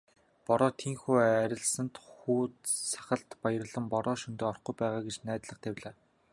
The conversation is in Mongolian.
Бороо тийнхүү арилсанд хууз сахалт баярлан "Бороо шөнөдөө орохгүй байгаа" гэж найдлага тавилаа.